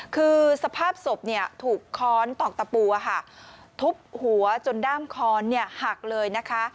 คือสภาพศพถูกค้อนตอกตะปูทุบหัวจนด้ามค้อนหักเลยนะคะ